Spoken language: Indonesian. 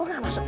kok gak masuk